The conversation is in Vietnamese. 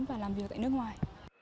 và làm việc tại nước ngoài